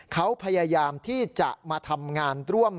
เขาพยายามที่จะมาทำงานร่วม